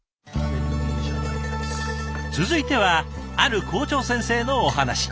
続いてはある校長先生のお話。